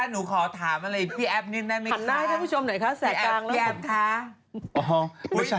เดี๋ยวคุณแอฟมา